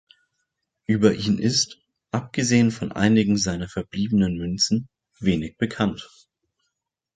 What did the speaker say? Über ihn ist, abgesehen von einigen seiner verbliebenen Münzen, wenig bekannt.